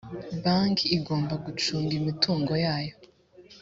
banki igomba gucunga imitungo yayo